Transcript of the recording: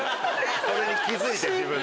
それに気付いて自分で。